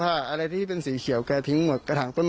ไม่อยากให้แม่เป็นอะไรไปแล้วนอนร้องไห้แท่ทุกคืน